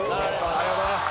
ありがとうございます。